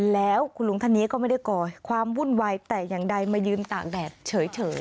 แล้วคุณลุงท่านนี้ก็ไม่ได้ก่อความวุ่นวายแต่อย่างใดมายืนตากแดดเฉย